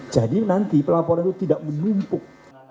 jadi nanti pelaporan itu tidak menumpuk